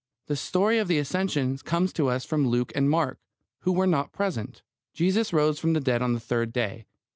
The story of the Ascension comes to us from Luke and Mark, who were not present. Jesus rose from the dead on the third day.